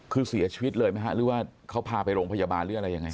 คือเสียชีวิตเลยไหมฮะหรือว่าเขาพาไปโรงพยาบาลหรืออะไรยังไง